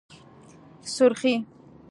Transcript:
💄سورخي